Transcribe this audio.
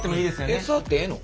えっ触ってええの？